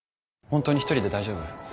本当に一人で大丈夫？